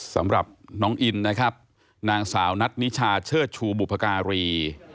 สำหรับน้องอินนะครับนางสาวนัทนิชาเชิดชูบุพการี